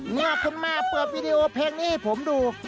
เมื่อคุณแม่เปิดวีดีโอเพลงนี้ให้ผมดู